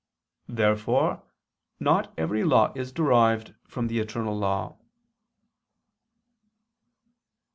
Therefore not every law is derived from the eternal law. Obj.